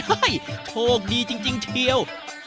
เฮ่ยโทษดีจริงเฉียว